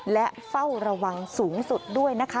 และเฝ้าระวังสูงสุดด้วยนะคะ